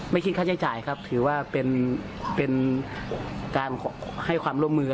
ไม่คิดค่าใช้จ่ายครับถือว่าเป็นการให้ความร่วมมือ